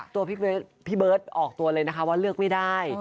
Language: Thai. ตัวพี่เบิร์ตออกตัวเลยนะคะว่าเลือกไม่ได้